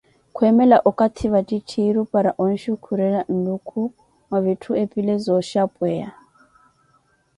Khweemela okathi vattitthiru para onxukhurela nluku mwa vitthu epile zooxhapweya.